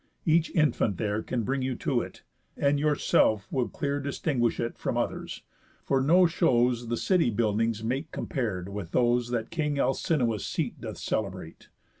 Each infant there Can bring you to it; and yourself will clear Distinguish it from others, for no shows The city buildings make compar'd with those That king Alcinous' seat doth celebrate.